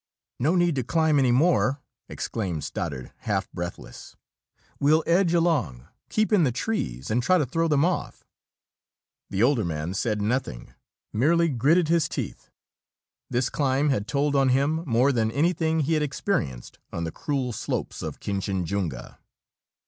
"No need to climb any more!" exclaimed Stoddard, half breathless. "We'll edge along, keep in the trees, and try to throw them off." The older man said nothing; merely gritted his teeth. This climb had told on him more than anything he had experienced on the cruel slopes of Kinchinjunga.